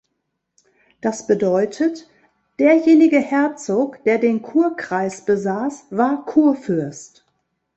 Das bedeutet, derjenige Herzog, der den Kurkreis besaß, war Kurfürst.